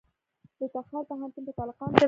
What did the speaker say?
د تخار پوهنتون په تالقان کې دی